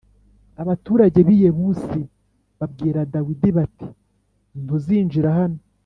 Abaturage b i Yebusi babwira Dawidi bati ntuzinjira hano